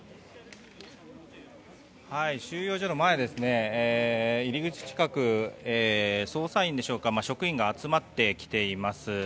収容所の前、入り口近く捜査員でしょうか職員が集まってきています。